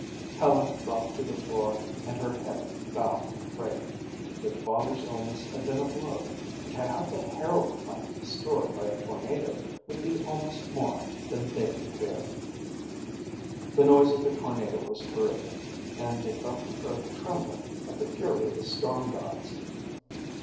Helen dropped to the floor and her head bowed in prayer. Their father's illness had been a blow and to have the Herald plant destroyed by a tornado would be almost more than they could bear. The noise of the tornado was terrific and they felt the earth trembling at the fury of the storm gods.